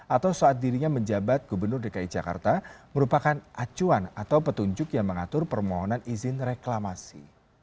atau saat dirinya menjabat gubernur dki jakarta merupakan acuan atau petunjuk yang mengatur permohonan izin reklamasi